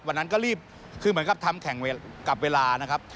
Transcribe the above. วันนั้นก็รีบคือเหมือนกับทำแข่งกับเวลานะครับ